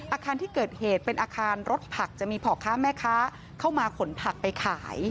อาคารที่เกิดเหตุเป็นอาคารรถผักจะมีพ่อค้าแม่ค้าเข้ามาขนผักไปขาย